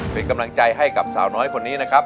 เป็นกำลังใจให้กับสาวน้อยคนนี้นะครับ